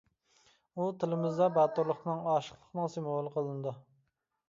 ئۇ تىلىمىزدا باتۇرلۇقنىڭ، ئاشىقلىقنىڭ سىمۋولى قىلىنىدۇ.